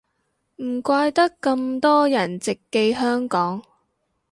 唔怪得咁多人直寄香港